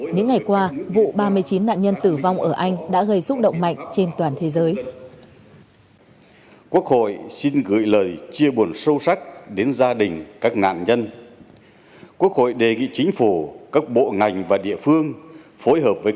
những ngày qua vụ ba mươi chín nạn nhân tử vong ở anh đã gây xúc động mạnh trên toàn thế giới